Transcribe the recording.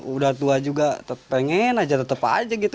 udah tua juga pengen aja tetep aja gitu